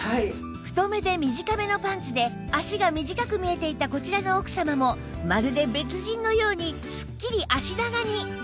太めで短めのパンツで脚が短く見えていたこちらの奥様もまるで別人のようにスッキリ脚長に！